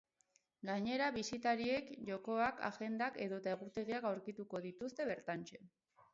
Gainera, bisitariek jokoak, agendak edota egutegiak aurkituko dituzte bertantxe.